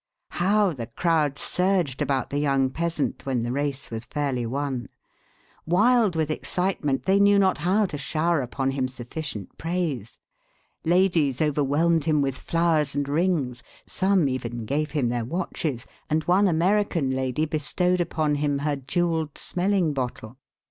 How the crowd surged about the young peasant when the race was fairly won! Wild with excitement, they knew not how to shower upon him sufficient praise. Ladies overwhelmed him with flowers and rings; some even gave him their watches, and one American lady bestowed upon him her jewelled smelling bottle.